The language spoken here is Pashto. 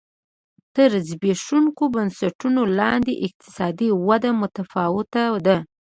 تر زبېښونکو بنسټونو لاندې اقتصادي وده متفاوته ده.